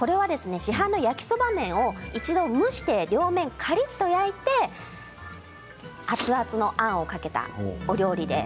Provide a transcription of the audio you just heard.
市販の焼きそば麺を一度蒸して両面カリッと焼いて熱々のあんをかけたお料理です。